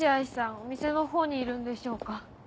お店の方にいるんでしょうか。